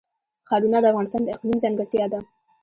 ښارونه د افغانستان د اقلیم ځانګړتیا ده.